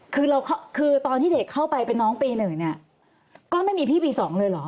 คือตอนที่เด็กเข้าไปเป็นน้องปี๑ก็ไม่มีพี่ปี๒เลยเหรอ